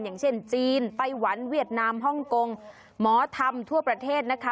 อย่างเช่นจีนไต้หวันเวียดนามฮ่องกงหมอธรรมทั่วประเทศนะคะ